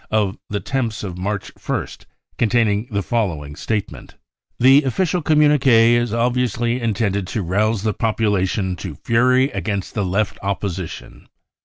The Temps of March 1st contains the following statement : u The official communique is obviously intended to rouse the population to fury against the Left opposition.